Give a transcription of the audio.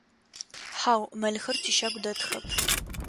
Хьау, мэлхэр тищагу дэтхэп.